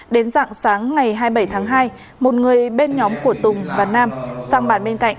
đến dạng sáng ngày hai mươi bảy tháng hai một người bên nhóm của tùng và nam sang bàn bên cạnh